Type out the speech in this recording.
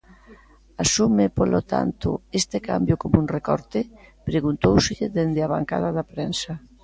Asume, polo tanto, este cambio como un recorte?, preguntóuselle dende a bancada da prensa.